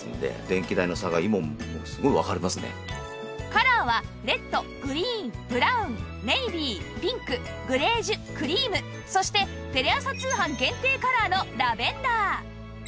カラーはレッドグリーンブラウンネイビーピンクグレージュクリームそしてテレ朝通販限定カラーのラベンダー